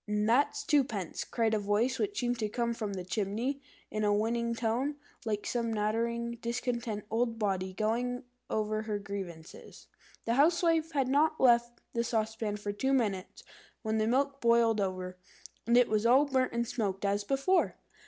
"And that's twopence," cried a voice which seemed to come from the chimney, in a whining tone, like some nattering, discontented old body going over her grievances. The Housewife had not left the saucepan for two minutes, when the milk boiled over, and it was all burnt and smoked as before.